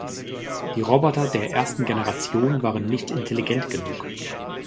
Die Roboter der ersten Generation waren nicht intelligent genug.